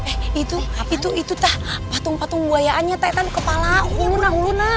eh itu itu itu tah patung patung buayaannya taitan kepala huluna huluna